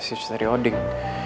masih buffs dari odeng